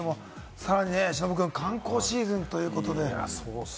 さらにね、忍君、観光シーズンということで。